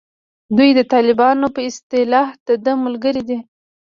دوی د طالبانو په اصطلاح دده ملګري دي.